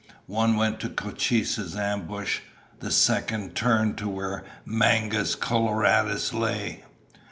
One went to Cochise's ambush. The second turned to where Mangus Coloradus lay.